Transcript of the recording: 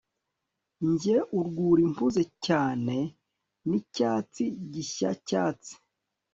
Njye urwuri mpuze cyane nicyatsi gishyacyatsi